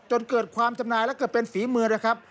จนเกิดความจำหน่ายและเกิดเป็นฝีมือนะครับ